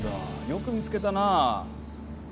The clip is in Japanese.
よく見つけたな。